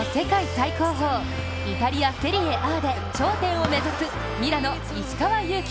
最高峰イタリア・セリエＡで頂点を目指すミラノ・石川祐希。